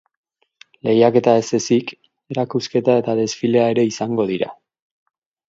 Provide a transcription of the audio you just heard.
Lehiaketa ez ezik, erakusketa eta desfilea ere izango dira.